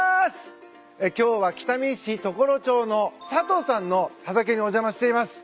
今日は北見市常呂町の佐藤さんの畑にお邪魔しています。